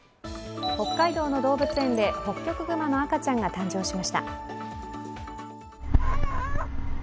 北海道の動物園でホッキョクグマの赤ちゃんが誕生しました。